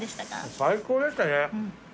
最高でしたね。